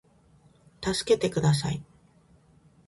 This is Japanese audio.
たすけてください